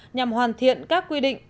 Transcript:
nhằm hoàn thiện các quy định